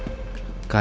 ma kamu mau ke rumah